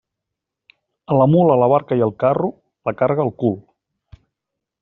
A la mula, la barca i el carro, la càrrega al cul.